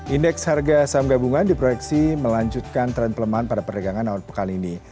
indeks harga saham gabungan diproyeksi melanjutkan tren pelemahan pada perdagangan awal pekan ini